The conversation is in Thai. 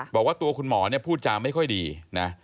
บอกว่าตัวคุณหมอเนี่ยพูดจาไม่ค่อยดีนะ